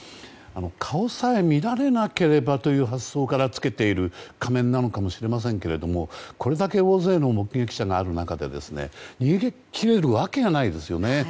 顔さえ見られなければという発想からつけている仮面なのかもしれませんけどこれだけ大勢の目撃者がある中で逃げ切れるわけがないですよね。